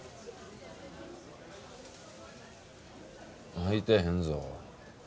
空いてへんぞ。